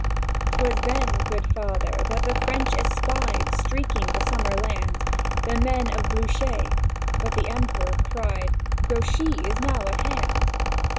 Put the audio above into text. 'Twas then, Good Father, that the French espied, Streaking the summer land, The men of Blücher. But the Emperor cried, "Grouchy is now at hand!"